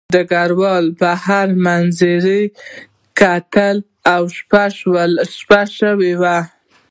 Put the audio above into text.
ډګروال بهر منظره کتله او شپه شوې وه